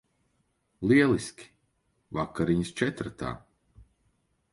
Lieliski. Vakariņas četratā.